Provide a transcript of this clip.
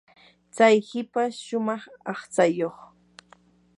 chay hipash shumaq aqchayuq.